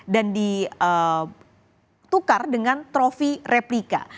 dan ditukar dengan trofi replika